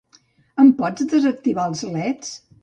Em pots desactivar els leds?